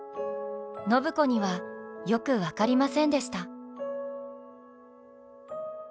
暢子にはよく分かりませんでした。